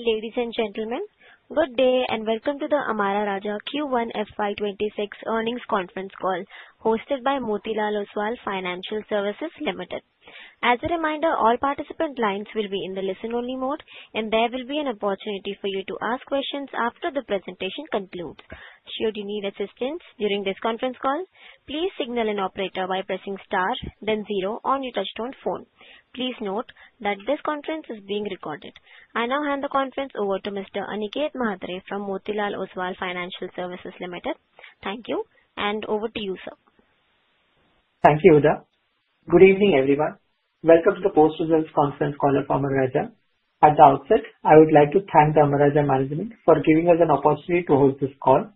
Ladies and gentlemen, good day and welcome to the Amara Raja Q1 FY2026 Earnings Conference Call hosted by Motilal Oswal Financial Services Ltd. As a reminder, all participant lines will be in the listen-only mode, and there will be an opportunity for you to ask questions after the presentation concludes. Should you need assistance during this conference call, please signal an operator by pressing * then 0 on your touchtone phone. Please note that this conference is being recorded. I now hand the conference over to Mr. Aniket Mhatre from Motilal Oswal Financial Services Ltd. Thank you, and over to you, sir. Thank you, Uda. Good evening, everyone. Welcome to the Post Results Conference Call of Amara Raja. At the outset, I would like to thank the Amara Raja management for giving us an opportunity to host this call.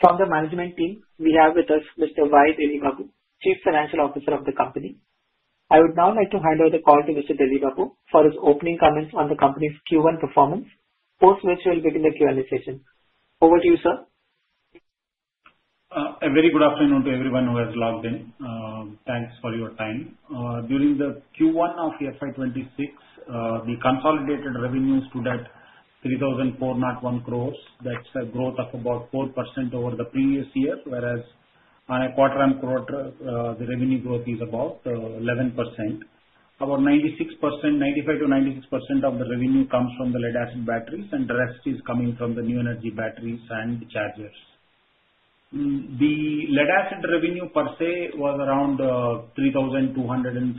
From the management team, we have with us Mr. Y. Delli Babu, Chief Financial Officer of the company. I would now like to hand over the call to Mr. Y. Delli Babu for his opening comments on the company's Q1 performance, post-mutual, within the Q&A session. Over to you, sir. A very good afternoon to everyone who has logged in. Thanks for your time. During the Q1 of the FY26, we consolidated revenues to 3,401. That's a growth of about 4% over the previous year, whereas on a quarter-on-quarter, the revenue growth is about 11%. About 95% to 96% of the revenue comes from the lead-acid batteries, and the rest is coming from the new energy batteries and chargers. The lead-acid revenue per se was around 3,270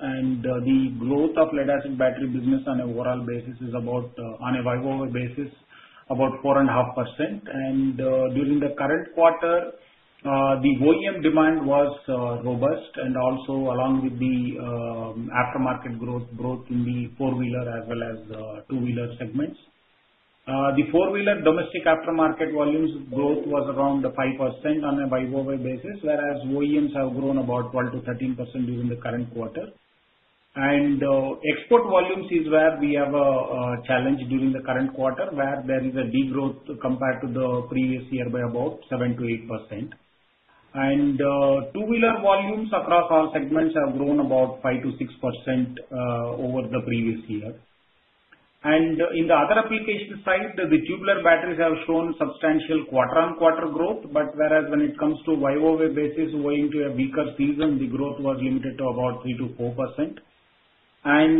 and the growth of lead-acid battery business on an overall basis is about, on a year-on-year basis, about 4.5%. During the current quarter, the OEM demand was robust along with the aftermarket growth, both in the four-wheeler as well as two-wheeler segments. The four-wheeler domestic aftermarket volumes growth was around 5% on a year-on-year basis, whereas OEMs have grown about 12%-13% during the current quarter. Export volumes is where we have a challenge during the current quarter, where there is a degrowth compared to the previous year by about 7%-8%. Two-wheeler volumes across all segments have grown about 5%-6% over the previous year. In the other application side, the tubular batteries have shown substantial quarter-on-quarter growth, whereas when it comes to year-on-year basis, going to a weaker season, the growth was limited to about 3%-4%.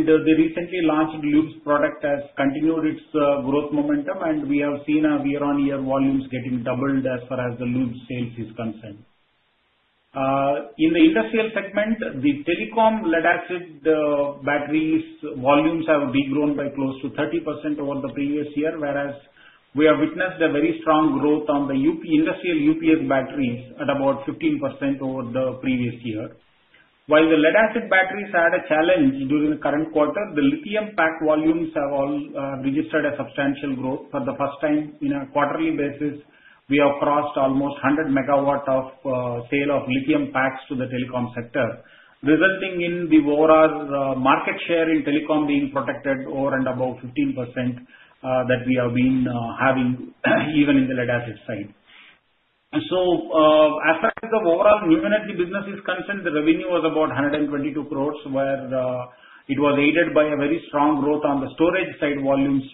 The recently launched loops product has continued its growth momentum, and we have seen year-on-year volumes getting doubled as far as the loops sales is concerned. In the industrial segment, the telecom lead-acid batteries volumes have grown by close to 30% over the previous year, whereas we have witnessed a very strong growth on the industrial UPS batteries at about 15% over the previous year. While the lead-acid batteries had a challenge during the current quarter, the lithium pack volumes have all registered a substantial growth. For the first time on a quarterly basis, we have crossed almost 100 MW of sale of lithium packs to the telecom sector, resulting in the overall market share in telecom being protected over and above 15% that we have been having even in the lead-acid side. As far as the overall [new energy] business is concerned, the revenue was about 122, where it was aided by very strong growth on the storage side volumes,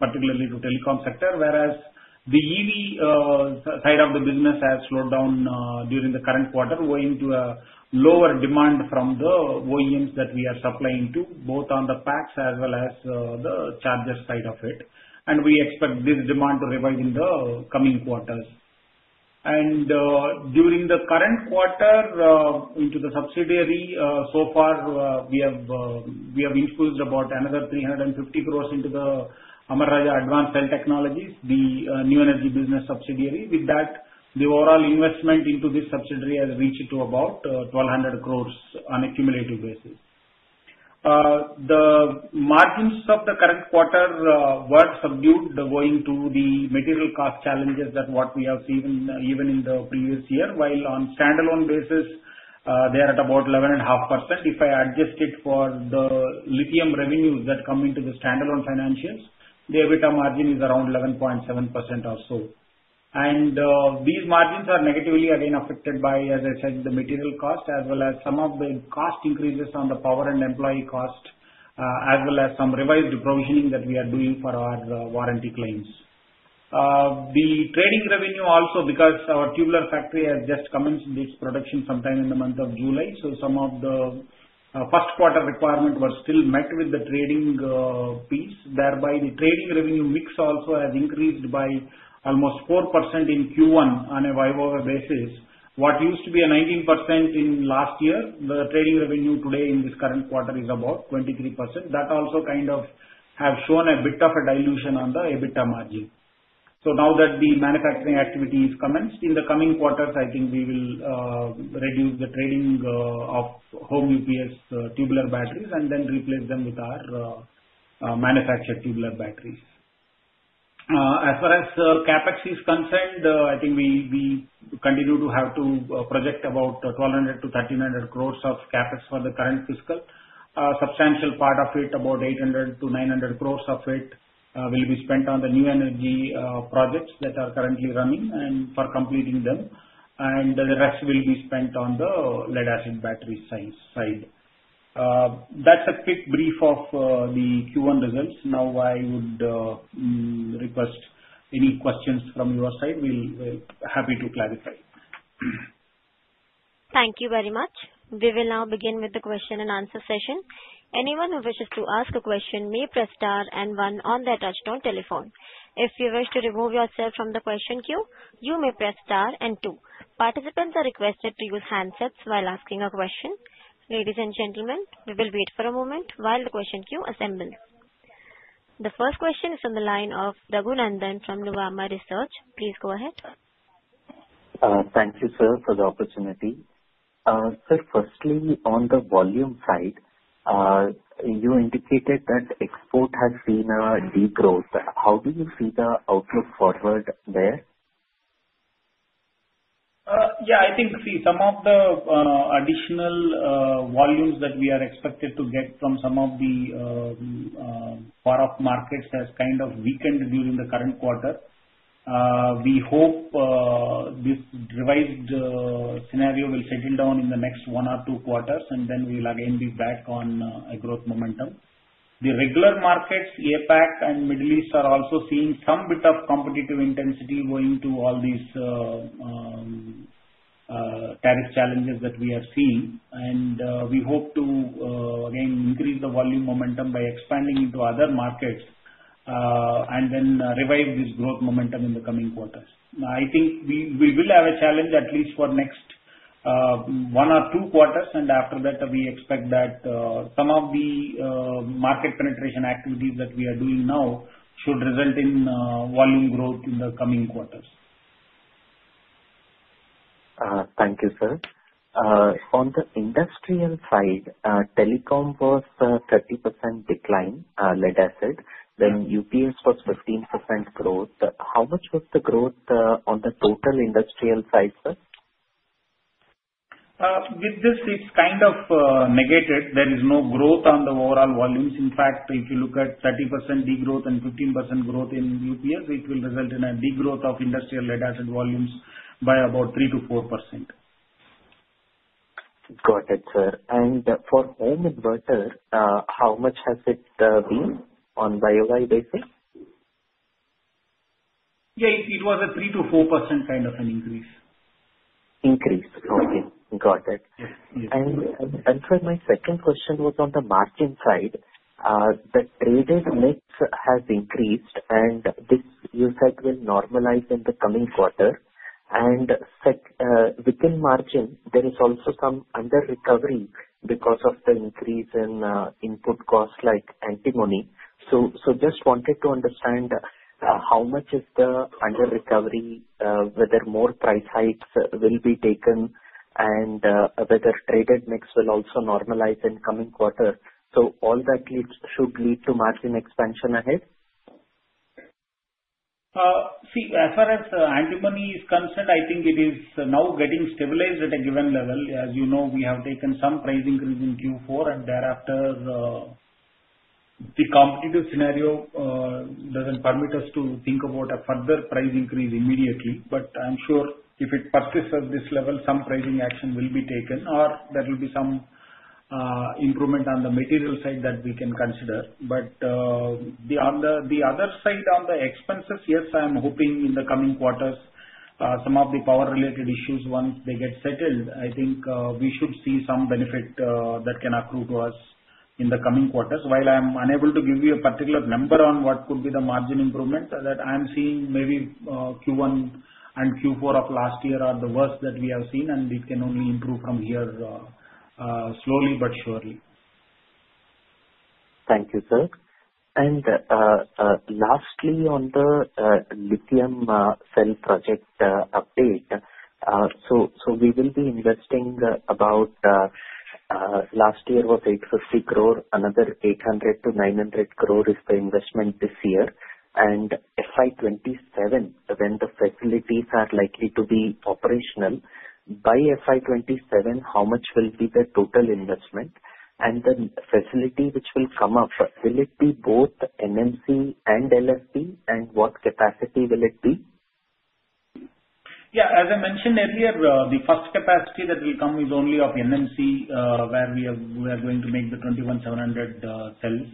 particularly to the telecom sector, whereas the EV side of the business has slowed down during the current quarter due to lower demand from the OEMs that we are supplying to, both on the packs as well as the charger side of it. We expect this demand to revive in the coming quarters. During the current quarter, into the subsidiary, so far, we have infused about another 350 into Amara Raja Advanced Cell Technologies, the new energy business subsidiary. With that, the overall investment into this subsidiary has reached about 1,200 on a cumulative basis. The margins of the current quarter were subdued due to the material cost challenges that we have seen even in the previous year, while on a standalone basis, they are at about 11.5%. If I adjust it for the lithium revenues that come into the standalone financials, the EBITDA margin is around 11.7% or so. These margins are negatively, again, affected by, as I said, the material cost as well as some of the cost increases on the power and employee cost, as well as some revised provisioning that we are doing for our warranty claims. The trading revenue also, because our tubular factory has just commenced its production sometime in the month of July, so some of the first quarter requirement was still met with the trading piece. The trading revenue mix also has increased by almost 4% in Q1 on a viable basis. What used to be 19% in last year, the trading revenue today in this current quarter is about 23%. That also has shown a bit of a dilution on the EBITDA margin. Now that the manufacturing activity has commenced, in the coming quarters, I think we will reduce the trading of home UPS tubular batteries and then replace them with our manufactured tubular batteries. As far as CapEx is concerned, I think we continue to have to project about 1,200-1,300 of CapEx for the current fiscal. A substantial part of it, about 800-900 of it, will be spent on the new energy projects that are currently running and for completing them. The rest will be spent on the lead-acid battery side. That's a quick brief of the Q1 results. I would request any questions from your side. We're happy to clarify. Thank you very much. We will now begin with the question and answer session. Anyone who wishes to ask a question may press star and one on their touchtone telephone. If you wish to remove yourself from the question queue, you may press star and two. Participants are requested to use handsets while asking a question. Ladies and gentlemen, we will wait for a moment while the question queue assembles. The first question is on the line of Dagu Nandan from Nuvama Research. Please go ahead, sir. Thank you, sir, for the opportunity. Sir, firstly, on the volume side, you indicated that export has seen a deep growth. How do you see the outlook forward there? Yeah, I think some of the additional volumes that we are expected to get from some of the part of markets has kind of weakened during the current quarter. We hope this derived scenario will settle down in the next one or two quarters, and then we will again be back on a growth momentum. The regular markets, APAC, and Middle East are also seeing some bit of competitive intensity going to all these tariff challenges that we are seeing. We hope to again increase the volume momentum by expanding into other markets and then revive this growth momentum in the coming quarters. I think we will have a challenge at least for the next one or two quarters, and after that, we expect that some of the market penetration activities that we are doing now should result in volume growth in the coming quarters. Thank you, sir. On the industrial side, telecom was a 30% decline, lead-acid. UPS was 15% growth. How much was the growth on the total industrial side, sir? With this, it's kind of negated. There is no growth on the overall volumes. In fact, if you look at 30% degrowth and 15% growth in UPS, it will result in a degrowth of industrial lead-acid volumes by about 3%-4%. Got it, sir. For home inverter, how much has it been on viable basis? It was a 3%-4% kind of an increase. Increase. Okay, got it. Yes. My second question was on the margin side. The traded mix has increased, and you said this will normalize in the coming quarter. Within margin, there is also some underrecovery because of the increase in input costs like antimony. I just wanted to understand how much is the underrecovery, whether more price hikes will be taken, and whether traded mix will also normalize in the coming quarter. All that should lead to margin expansion ahead? See, as far as antimony is concerned, I think it is now getting stabilized at a given level. As you know, we have taken some price increase in Q4, and thereafter, the competitive scenario doesn't permit us to think about a further price increase immediately. I'm sure if it persists at this level, some pricing action will be taken, or there will be some improvement on the material side that we can consider. On the other side, on the expenses, yes, I am hoping in the coming quarters, some of the power-related issues, once they get settled, I think we should see some benefit that can accrue to us in the coming quarters. While I am unable to give you a particular number on what could be the margin improvements, I am seeing maybe Q1 and Q4 of last year are the worst that we have seen, and we can only improve from here slowly but surely. Thank you, sir. Lastly, on the lithium cell project update, we will be investing about INR 850 last year. Another 800-900 is the investment this year. By FY27, when the facilities are likely to be operational, how much will be the total investment? The facility which will come up, will it be both NMC and LFP? What capacity will it be? Yeah, as I mentioned earlier, the first capacity that will come is only of NMC, where we are going to make the 21,700 cells.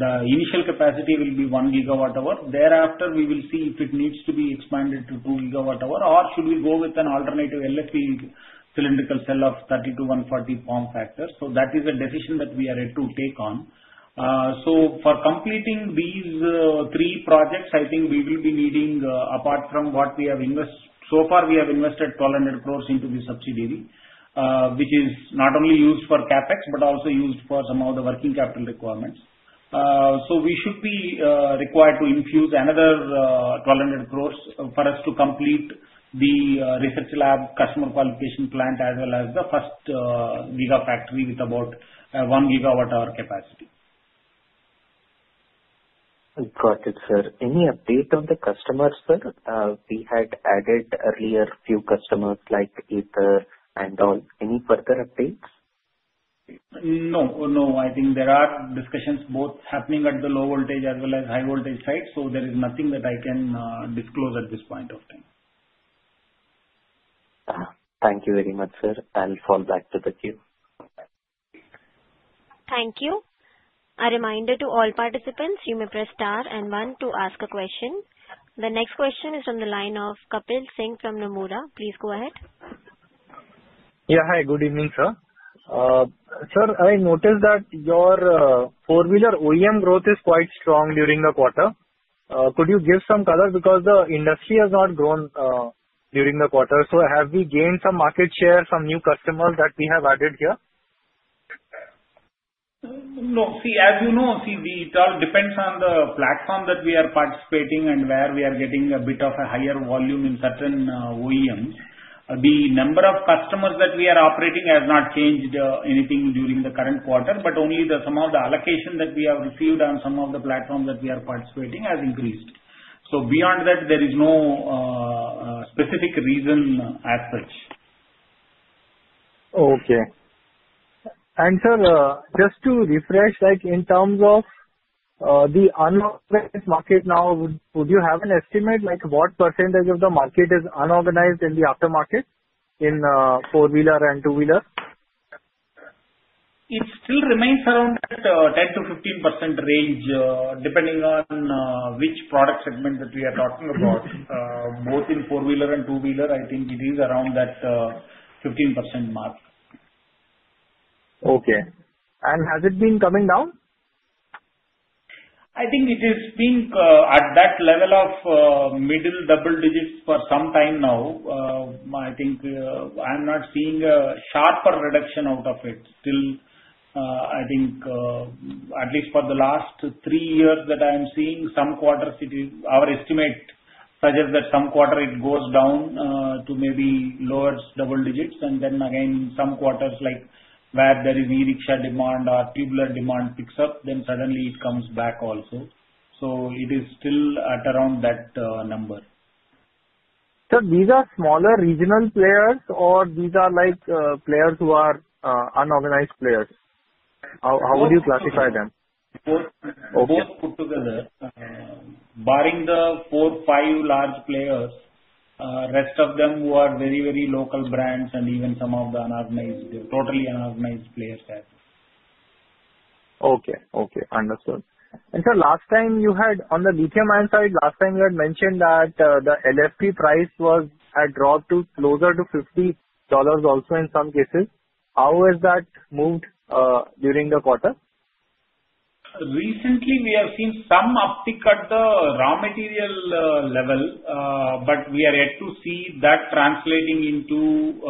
The initial capacity will be 1 gigawatt-hour. Thereafter, we will see if it needs to be expanded to 2 gigawatt-hour, or should we go with an alternative LFP cylindrical cell of 30-140 form factors? That is a decision that we are ready to take on. For completing these three projects, I think we will be needing, apart from what we have invested, so far, we have invested 1,200 into the subsidiary, which is not only used for CapEx, but also used for some of the working capital requirements. We should be required to infuse another 1,200 for us to complete the research lab, customer qualification plant, as well as the first gigafactory with about 1 gigawatt-hour capacity. I got it, sir. Any update on the customers, sir? We had added earlier a few customers like Ather and all. Any further updates? I think there are discussions both happening at the low voltage as well as high voltage sites. There is nothing that I can disclose at this point of time. Thank you very much, sir. I'll fall back to the queue. Thank you. A reminder to all participants, you may press star and one to ask a question. The next question is on the line of Kapil Singh from Nomura. Please go ahead. Yeah, hi. Good evening, sir. Sir, I noticed that your four-wheeler OEM growth is quite strong during the quarter. Could you give some color? Because the industry has not grown during the quarter. Have we gained some market share, some new customers that we have added here? No, see, as you know, it all depends on the platform that we are participating and where we are getting a bit of a higher volume in certain OEMs. The number of customers that we are operating has not changed anything during the current quarter, but only some of the allocation that we have received on some of the platforms that we are participating has increased. Beyond that, there is no specific reason as such. Okay. Sir, just to refresh, in terms of the unorganized market now, would you have an estimate like what % of the market is unorganized in the aftermarket in four-wheeler and two-wheeler? It still remains around 10%-15% range, depending on which product segment that we are talking about. Both in four-wheeler and two-wheeler, I think it is around that 15% mark. Has it been coming down? I think it has been at that level of middle double digits for some time now. I am not seeing a sharp reduction out of it. At least for the last three years that I am seeing, some quarters, our estimate suggests that some quarters it goes down to maybe lower double digits. In some quarters, like where there is e-rickshaw demand or tubular demand picks up, it comes back also. It is still at around that number. Sir, these are smaller regional players, or these are like players who are unorganized players? How would you classify them? Both put together, barring the four or five large players, the rest of them who are very, very local brands and even some of the totally unorganized players. Okay. Understood. Sir, last time you had on the lithium-ion side, last time you had mentioned that the LFP price had dropped to closer to $50 also in some cases. How has that moved during the quarter? Recently, we have seen some uptick at the raw material level, but we are yet to see that translating into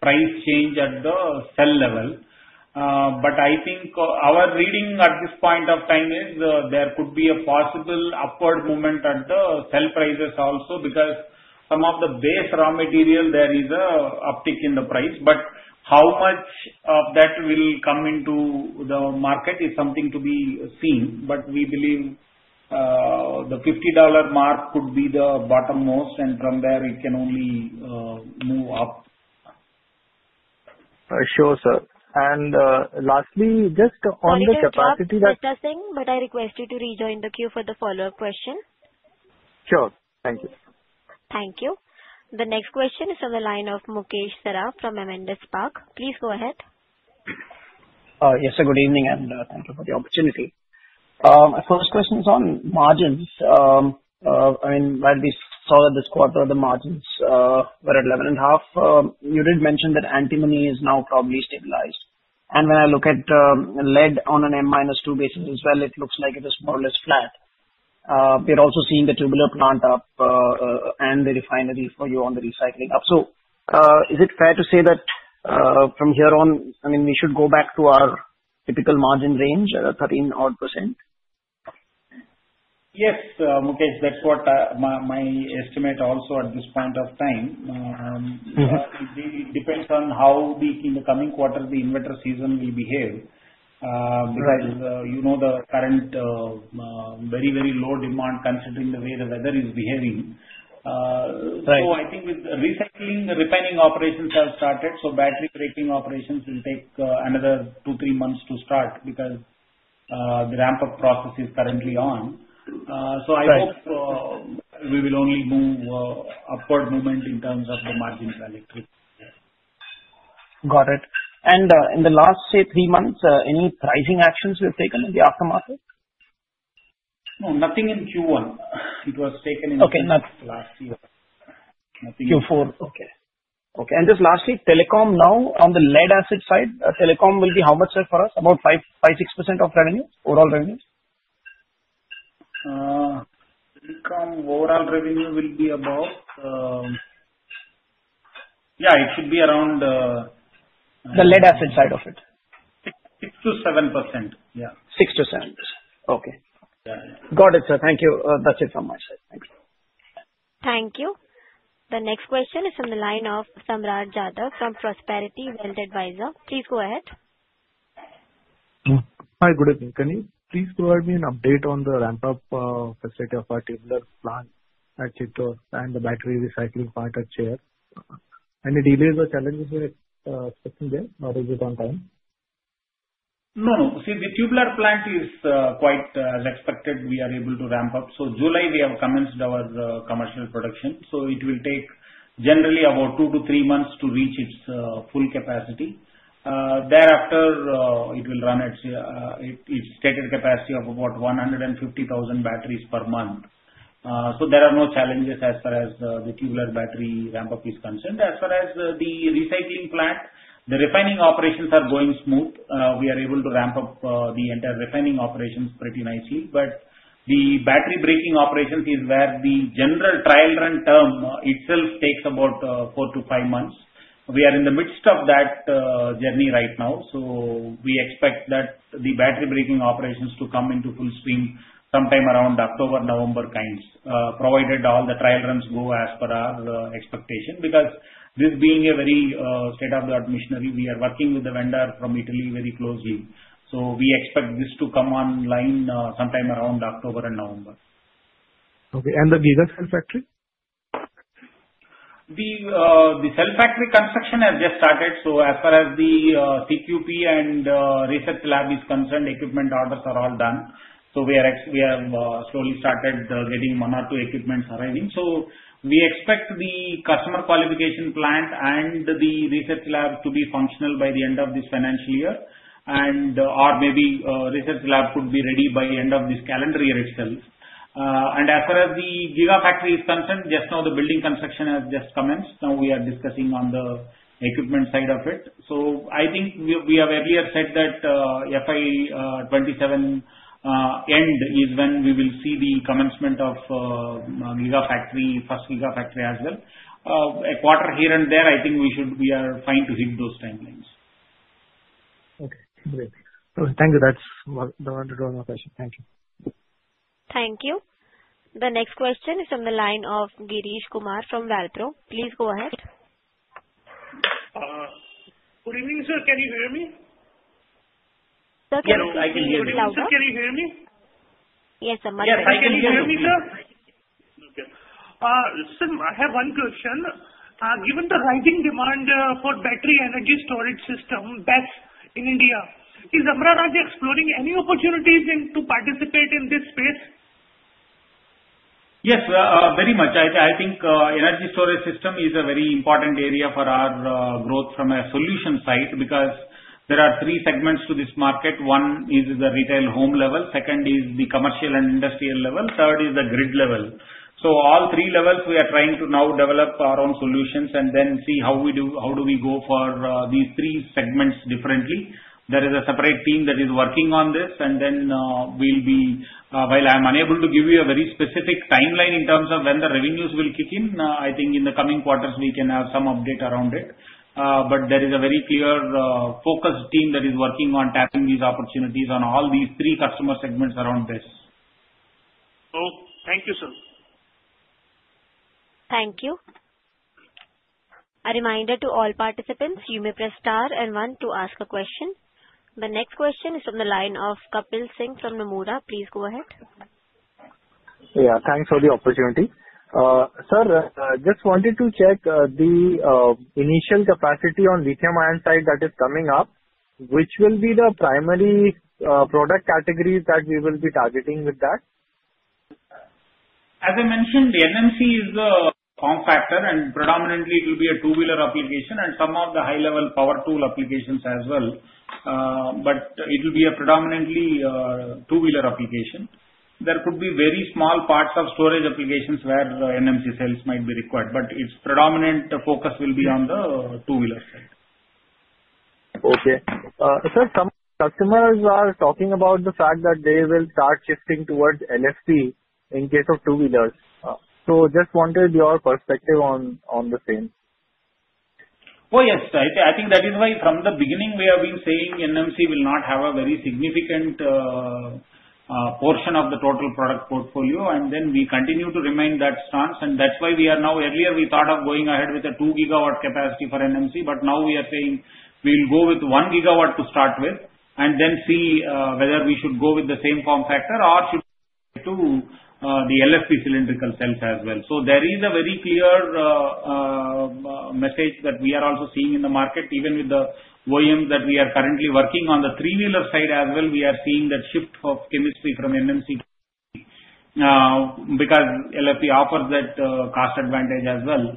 price change at the cell level. I think our reading at this point of time is there could be a possible upward movement at the cell prices also because some of the base raw material, there is an uptick in the price. How much of that will come into the market is something to be seen. We believe the $50 mark could be the bottom most, and from there, it can only move up. Sure, sir. Lastly, just on the capacity that. Thank you, Kapil Singh, but I request you to rejoin the queue for the follow-up question. Sure. Thank you. Thank you. The next question is on the line of Mukesh Saraf from Avendus Spark. Please go ahead. Yes, sir. Good evening, and thank you for the opportunity. My first question is on margins. I mean, when we saw that this quarter, the margins were at 11.5%. You did mention that antimony is now probably stabilized. When I look at lead on a -2 basis as well, it looks like it is more or less flat. We're also seeing the tubular plant up and the refinery for you on the recycling up. Is it fair to say that from here on, we should go back to our typical margin range, 13% odd? Yes, Mukesh, that's what my estimate also at this point of time. It depends on how in the coming quarter, the inverter season will behave. You know the current very, very low demand considering the way the weather is behaving. I think with recycling, the refining operations have started. Battery creating operations will take another two, three months to start because the ramp-up process is currently on. I hope we will only move upward movement in terms of the margin of electricity. In the last, say, three months, any pricing actions you've taken in the aftermarket? No, nothing in Q1. It was taken in Q1 last year. Okay. Okay. Just lastly, telecom now on the lead-acid side, telecom will be how much there for us? About 5% or 6% of revenue, overall revenue? Telecom overall revenue will be above, yeah, it should be around. The lead-acid side of it. 6%-7%. Yeah. 6%-7%. Okay. Yeah, got it, sir. Thank you. That's it from my side. Thank you. The next question is on the line of Samraat Jadhav from Prosperity Wealth Adviser. Please go ahead. Hi, good evening. Can you please provide me an update on the ramp-up facility of our tubular plant at Chittoor and the battery recycling plant at Cherr? Any delays or challenges you're expecting there, or is it on time? No, no. See, the tubular plant is quite as expected. We are able to ramp up. July, we have commenced our commercial production. It will take generally about two to three months to reach its full capacity. Thereafter, it will run at its stated capacity of about 150,000 batteries per month. There are no challenges as far as the tubular battery ramp-up is concerned. As far as the recycling plant, the refining operations are going smooth. We are able to ramp up the entire refining operations pretty nicely. The battery breaking operations is where the general trial run term itself takes about four to five months. We are in the midst of that journey right now. We expect that the battery breaking operations to come into full swing sometime around October, November, provided all the trial runs go as per our expectation because this being a very state-of-the-art machinery, we are working with the vendor from Italy very closely. We expect this to come online sometime around October and November. Okay. The gigafactory? The cell factory construction has just started. As far as the CQP and research lab is concerned, equipment orders are all done. We have slowly started getting one or two equipments arriving. We expect the customer qualification plant and the research lab to be functional by the end of this financial year, and/or maybe research lab could be ready by the end of this calendar year itself. As far as the gigafactory is concerned, just now the building construction has just commenced. Now we are discussing on the equipment side of it. I think we have earlier said that FY2027 end is when we will see the commencement of gigafactory, first gigafactory as well. A quarter here and there, I think we should be fine to hit those timelines. Okay. Great. Thank you. That's the one to draw my question. Thank you. Thank you. The next question is on the line of Girish Kumar from Valtro. Please go ahead. Girish, can you hear me? Yes, I can hear you. Can you hear me? Yes, I'm much. Yes, I can hear you. Can you hear me, sir? Okay. Sir, I have one question. Given the rising demand for battery energy storage systems in India, is Amara Raja exploring any opportunities to participate in this space? Yes, very much. I think energy storage system is a very important area for our growth from a solution side because there are three segments to this market. One is the retail home level. Second is the commercial and industrial level. Third is the grid level. All three levels, we are trying to now develop our own solutions and then see how we do, how do we go for these three segments differently. There is a separate team that is working on this. While I'm unable to give you a very specific timeline in terms of when the revenues will kick in, I think in the coming quarters, we can have some update around it. There is a very clear focused team that is working on tapping these opportunities on all these three customer segments around this. Oh, thank you, sir. Thank you. A reminder to all participants, you may press star and one to ask a question. The next question is from the line of Kapil Singh from Nomura. Please go ahead. Yeah, thanks for the opportunity. Sir, I just wanted to check the initial capacity on the lithium-ion side that is coming up. Which will be the primary product categories that we will be targeting with that? As I mentioned, the NMC is the form factor, and predominantly, it will be a two-wheeler application and some of the high-level power tool applications as well. It will be a predominantly two-wheeler application. There could be very small parts of storage applications where NMC cells might be required, but its predominant focus will be on the two-wheeler side. Okay. Sir, some customers are talking about the fact that they will start shifting towards LFP in case of two-wheelers. I just wanted your perspective on the same. Oh, yes. I think that is why from the beginning, we have been saying NMC will not have a very significant portion of the total product portfolio. We continue to remain that strong. That is why we are now, earlier, we thought of going ahead with a two-gigawatt capacity for NMC. Now we are saying we'll go with one gigawatt to start with and then see whether we should go with the same form factor or should we go to the LFP cylindrical cells as well. There is a very clear message that we are also seeing in the market, even with the OEMs that we are currently working on the three-wheeler side as well. We are seeing that shift of chemistry from NMC because LFP offers that cost advantage as well.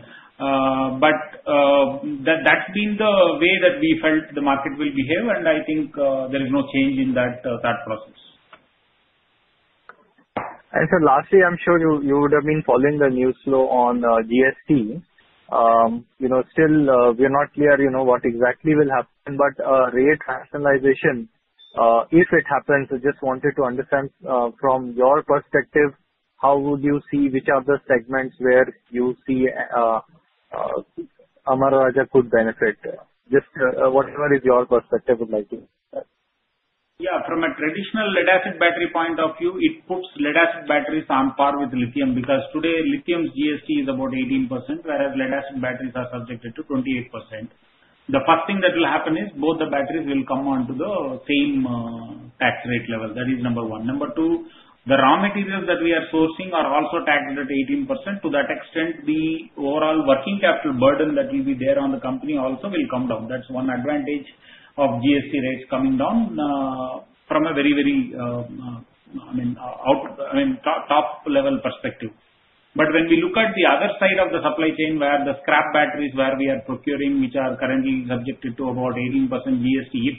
That has been the way that we felt the market will behave. I think there is no change in that process. Sir, lastly, I'm sure you would have been following the news flow on GST. Still, we are not clear, you know, what exactly will happen. If rate rationalization happens, I just wanted to understand from your perspective, how would you see which are the segments where you see Amara Raja could benefit? Just whatever is your perspective of making? Yeah, from a traditional lead-acid battery point of view, it puts lead-acid batteries on par with lithium because today, lithium's GST is about 18%, whereas lead-acid batteries are subjected to 28%. The first thing that will happen is both the batteries will come onto the same tax rate level. That is number one. Number two, the raw materials that we are sourcing are also taxed at 18%. To that extent, the overall working capital burden that will be there on the company also will come down. That's one advantage of GST rates coming down from a very, very, I mean, top-level perspective. When we look at the other side of the supply chain, where the scrap batteries where we are procuring, which are currently subjected to about 18% GST, if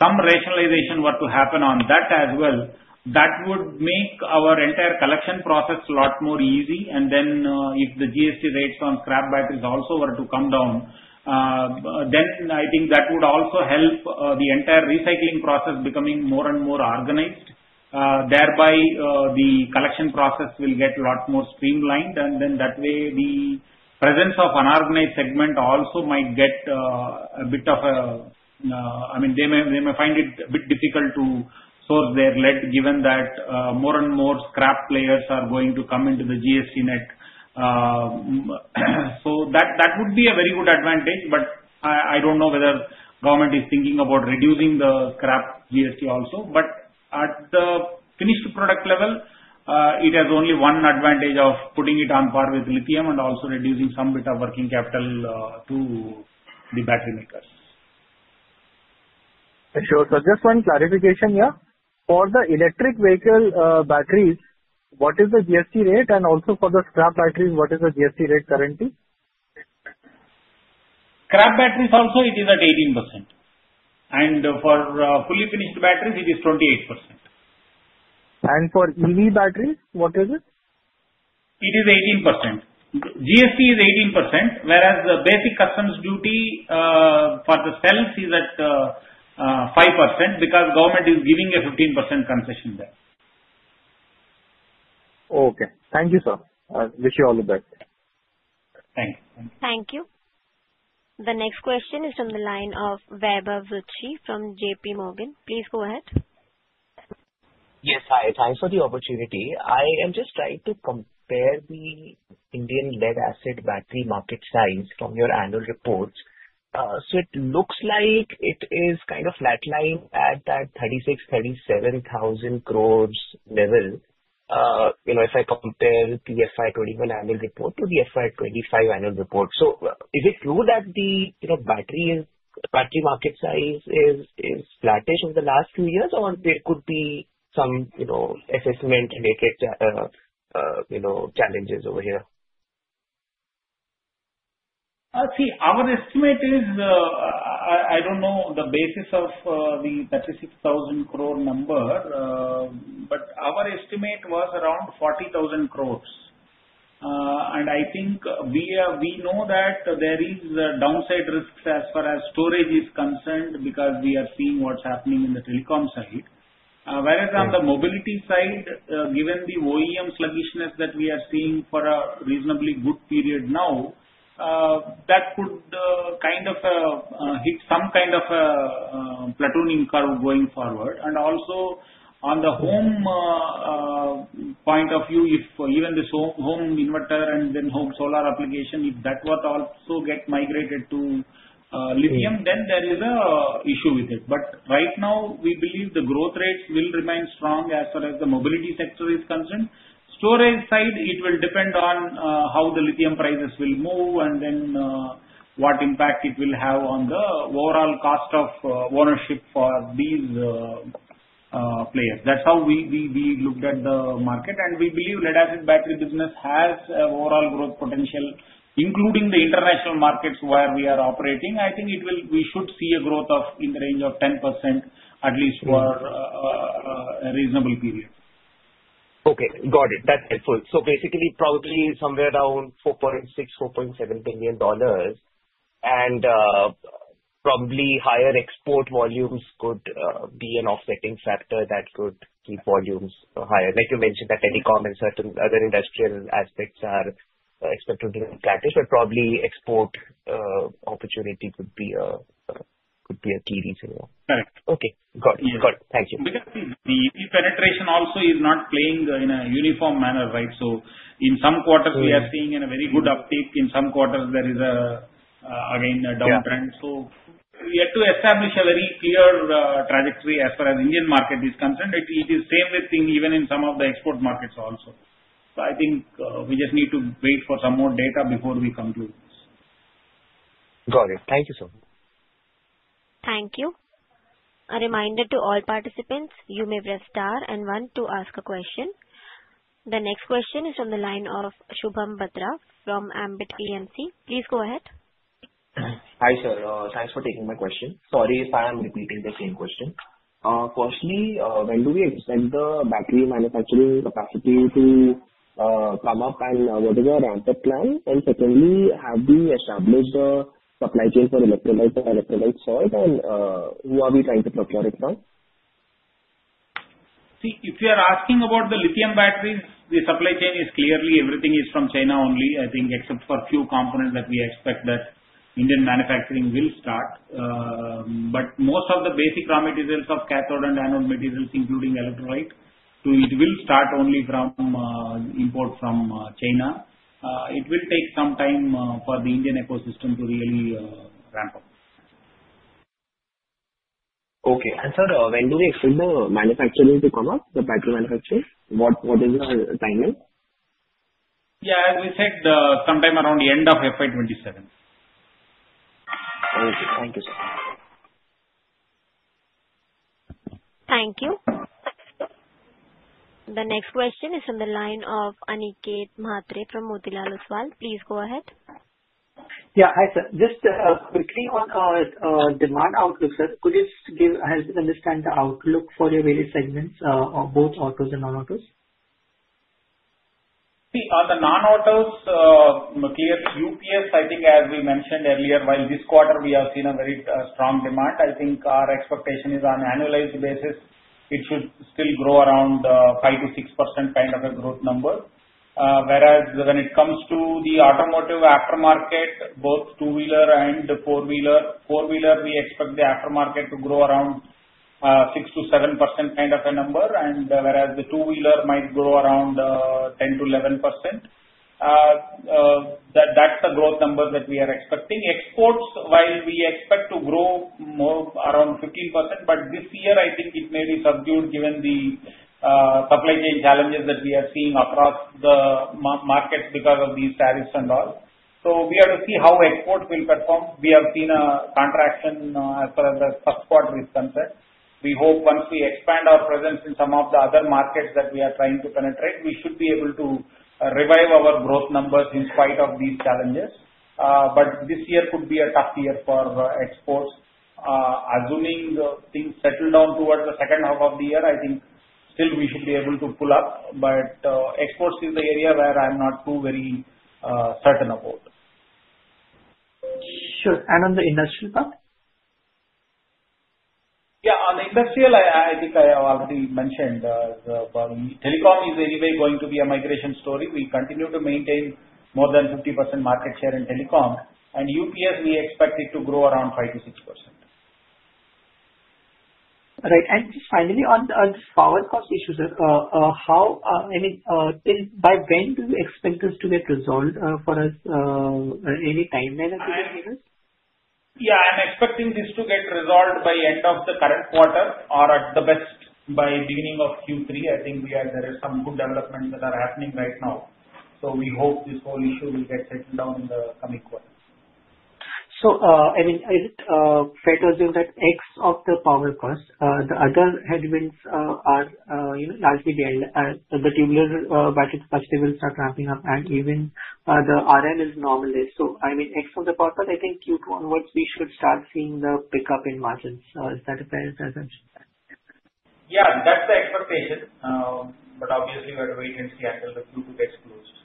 some rationalization were to happen on that as well, that would make our entire collection process a lot more easy. If the GST rates on scrap batteries also were to come down, then I think that would also help the entire recycling process becoming more and more organized. Thereby, the collection process will get a lot more streamlined. That way, the presence of an unorganized segment also might get a bit of a, I mean, they may find it a bit difficult to source their lead, given that more and more scrap players are going to come into the GST net. That would be a very good advantage. I don't know whether the government is thinking about reducing the scrap GST also. At the finished product level, it has only one advantage of putting it on par with lithium and also reducing some bit of working capital to the battery makers. Sure. Just one clarification here. For the electric vehicle batteries, what is the GST rate? Also, for the scrap batteries, what is the GST rate currently? Scrap batteries also, it is at 18%. For fully finished batteries, it is 28%. For EV batteries, what is it? It is 18%. GST is 18%, whereas the basic customs duty for the cells is at 5% because the government is giving a 15% concession there. Okay. Thank you, sir. I wish you all the best. Thanks. Thank you. The next question is on the line of Vibhav Zutshi from JPMorgan. Please go ahead. Yes, hi. Thanks for the opportunity. I am just trying to compare the Indian lead-acid battery market size from your annual reports. It looks like it is kind of flatlined at that 36,000, 37,000 level. If I compare the FY 2021 annual report to the FY 2025 annual report, is it true that the battery market size is flattish over the last few years, or there could be some assessment-related challenges over here? See, our estimate is, I don't know the basis of the 36,000 number, but our estimate was around 40,000. I think we know that there are downside risks as far as storage is concerned because we are seeing what's happening in the telecom side. Whereas on the mobility side, given the OEM sluggishness that we are seeing for a reasonably good period now, that could kind of hit some kind of a plateauing curve going forward. Also, on the home point of view, if even the home inverter and then home solar application, if that were to also get migrated to lithium, then there is an issue with it. Right now, we believe the growth rates will remain strong as far as the mobility sector is concerned. Storage side, it will depend on how the lithium prices will move and what impact it will have on the overall cost of ownership for these players. That's how we looked at the market. We believe lead-acid battery business has an overall growth potential, including the international markets where we are operating. I think we should see a growth in the range of 10% at least for a reasonable period. Okay. Got it. That's helpful. Basically, probably somewhere around $4.6, $4.7 billion. Probably higher export volumes could be an offsetting factor that could keep volumes higher. Like you mentioned, telecom and certain other industrial aspects are expected to be flattish, but probably export opportunity could be a key reason why. Correct. Okay. Got it. Got it. Thank you. Because the penetration also is not playing in a uniform manner, right? In some quarters, we are seeing a very good uptake. In some quarters, there is a downtrend. We have to establish a very clear trajectory as far as the Indian market is concerned. It is the same thing even in some of the export markets also. I think we just need to wait for some more data before we conclude. Got it. Thank you, sir. Thank you. A reminder to all participants, you may press star and one to ask a question. The next question is on the line of Shubham Badra from Ambit P and C. Please go ahead. Hi, sir. Thanks for taking my question. Sorry if I am repeating the same question. Firstly, when do we expect the battery manufacturing capacity to come up, and what is our ramp-up plan? Secondly, have we established the supply chain for electrolyte source? Who are we trying to procure it from? See, if you are asking about the lithium batteries, the supply chain is clearly everything is from China only, I think, except for a few components that we expect that Indian manufacturing will start. Most of the basic raw materials of cathode and anode materials, including electrolytes, it will start only from imports from China. It will take some time for the Indian ecosystem to really ramp up. Okay. Sir, when do you expect the manufacturing to come up, the battery manufacturing? What is the timeline? Yeah, as we said, sometime around the end of FY 2027. Okay. Thank you, sir. Thank you. The next question is on the line of Aniket Mhatre from Motilal Oswal. Please go ahead. Yeah. Hi, sir. Just quickly on our demand outlook, sir, could you help us understand the outlook for your various segments, both autos and non-autos? See, on the non-autos, clear, UPS, I think, as we mentioned earlier, while this quarter we have seen a very strong demand, I think our expectation is on an annualized basis, it should still grow around the 5% to 6% kind of a growth number. Whereas when it comes to the automotive aftermarket, both two-wheeler and the four-wheeler, we expect the aftermarket to grow around 6% to 7% kind of a number. Whereas the two-wheeler might grow around 10% to 11%. That's the growth number that we are expecting. Exports, while we expect to grow more around 15%, this year, I think it may be subdued given the supply chain challenges that we are seeing across the markets because of these tariffs and all. We have to see how exports will perform. We have seen a contraction as far as the stock quarter is concerned. We hope once we expand our presence in some of the other markets that we are trying to penetrate, we should be able to revive our growth numbers in spite of these challenges. This year could be a tough year for exports. Assuming things settle down towards the second half of the year, I think still we should be able to pull up. Exports is the area where I'm not too very certain about. Sure. On the industrial part? Yeah, on the industrial, I think I have already mentioned the telecom is anyway going to be a migration story. We continue to maintain more than 50% market share in telecom. UPS, we expect it to grow around 5% to 6%. Right. Just finally, on this power cost issue, sir, how, I mean, by when do you expect this to get resolved for us? Any timeline? Yeah, I'm expecting this to get resolved by the end of the current quarter or at the best by the beginning of Q3. I think there are some good developments that are happening right now. We hope this whole issue will get settled down in the coming quarters. Is it fair to assume that, excluding the power cost, the other headwinds are largely the elderly and the tubular battery bills are ramping up, and even the R&D is normal days? Excluding the power cut, I think Q2 onwards, we should start seeing the pickup in margins. Is that a fair assessment? Yeah, that's the expectation. Obviously, we have to wait and see until the Q2 gets closed.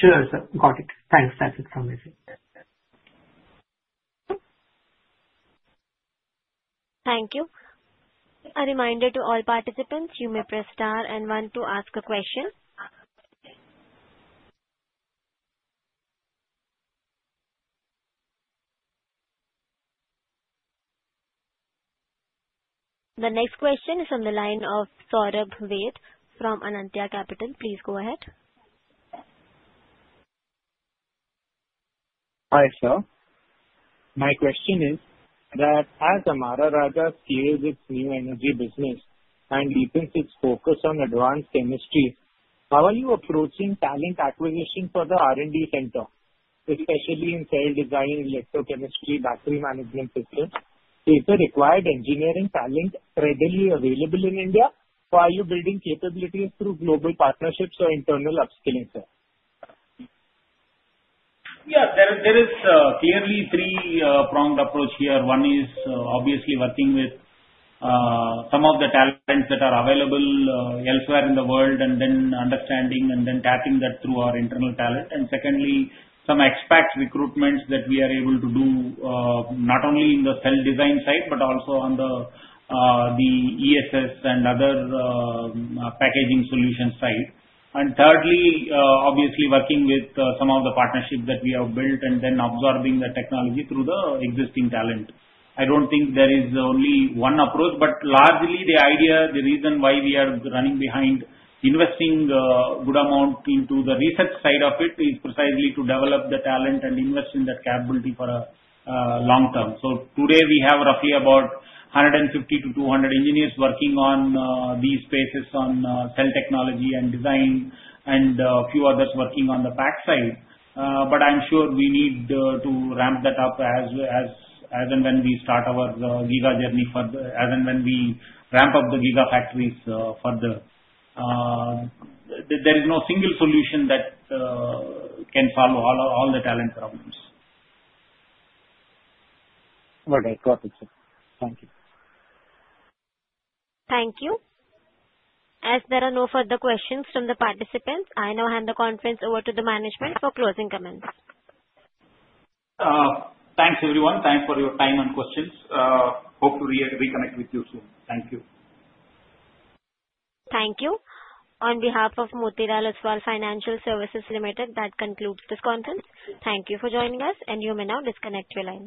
Sure, sir. Got it. Thanks. That's it for me, sir. Thank you. A reminder to all participants, you may press star and one to ask a question. The next question is on the line of Saurabh Ved from Anantya Capital. Please go ahead. Hi, sir. My question is that as Amara Raja scales its new energy business and deepens its focus on advanced chemistry, how are you approaching talent acquisition for the R&D center, especially in cell design, electrochemistry, battery management sector? Is the required engineering talent readily available in India, or are you building capabilities through global partnerships or internal upskilling? Yeah, there is clearly a three-pronged approach here. One is obviously working with some of the talent that are available elsewhere in the world, and then understanding and then tapping that through our internal talent. Secondly, some expat recruitments that we are able to do not only in the cell design side, but also on the ESS and other packaging solutions side. Thirdly, obviously working with some of the partnerships that we have built and then absorbing the technology through the existing talent. I don't think there is only one approach, but largely, the idea, the reason why we are running behind investing a good amount into the research side of it is precisely to develop the talent and invest in that capability for the long-term. Today, we have roughly about 150-200 engineers working on these spaces on cell technology and design and a few others working on the pack side. I'm sure we need to ramp that up as and when we start our giga journey further, as and when we ramp up the gigafactories further. There is no single solution that can follow all the talent around this. Right. Got it, sir. Thank you. Thank you. As there are no further questions from the participants, I now hand the conference over to the management for closing comments. Thanks, everyone. Thanks for your time and questions. Hope to reconnect with you soon. Thank you. Thank you. On behalf of Motilal Oswal Financial Services Ltd, that concludes this Conference. Thank you for joining us, and you may now disconnect your line.